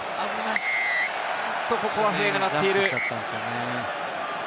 ここは笛が鳴っている。